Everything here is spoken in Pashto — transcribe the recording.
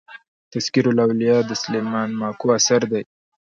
"تذکرةالاولیا" د سلیمان ماکو اثر دﺉ.